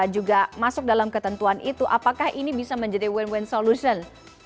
juga masuk dalam ketentuan itu apakah ini bisa menjadi win win solution